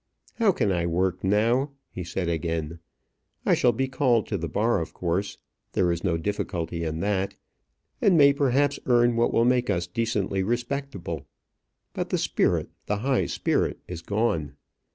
"How can I work now?" he said again. "I shall be called to the bar of course; there is no difficulty in that; and may perhaps earn what will make us decently respectable. But the spirit, the high spirit is gone.